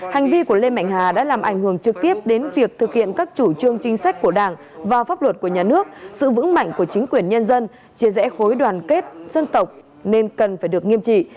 hành vi của lê mạnh hà đã làm ảnh hưởng trực tiếp đến việc thực hiện các chủ trương chính sách của đảng và pháp luật của nhà nước sự vững mạnh của chính quyền nhân dân chia rẽ khối đoàn kết dân tộc nên cần phải được nghiêm trị